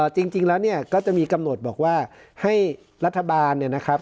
จริงแล้วเนี่ยก็จะมีกำหนดบอกว่าให้รัฐบาลเนี่ยนะครับ